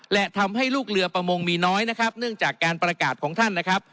และทำให้ลูกเรือประมงมีน้อยนะครับเนื่องจากการประกาศของท่านนะครับ